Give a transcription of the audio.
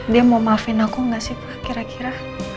dia mau maafin aku nggak sih pak kira kira